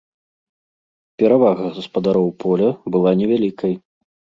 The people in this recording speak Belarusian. Перавага гаспадароў поля была невялікай.